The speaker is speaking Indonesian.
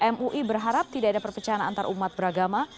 mui berharap tidak ada perpecahan antarumat beragama